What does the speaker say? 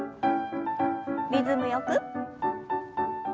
リズムよく。